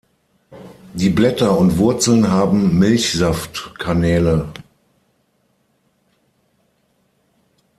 Die Blätter und Wurzeln haben Milchsaft-Kanäle.